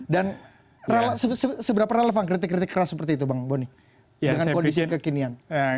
dan seberapa relevan kritik kritik keras seperti itu bang boni dengan kondisi kekinian